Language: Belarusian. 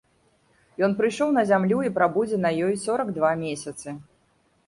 Ён прыйшоў на зямлю і прабудзе на ёй сорак два месяцы.